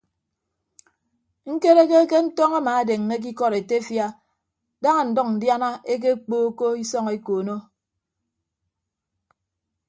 Ñkereke ke ntọñ amaadeññe ke ikọd etefia daña ndʌñ ndiana ekpookko isọñ ekoono.